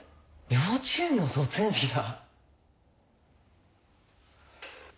幼稚園の卒園式だ。